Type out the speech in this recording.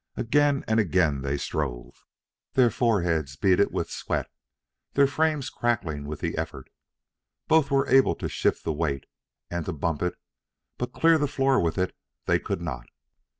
Again and again they strove, their foreheads beaded with sweat, their frames crackling with the effort. Both were able to shift the weight and to bump it, but clear the floor with it they could not.